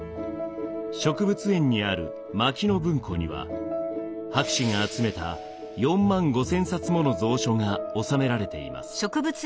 植物園にある牧野文庫には博士が集めた４万５，０００冊もの蔵書が収められています。